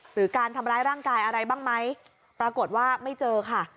หรือการทำร้ายร่างกายอะไรบ้างไหมปรากฏว่าไม่เจอค่ะ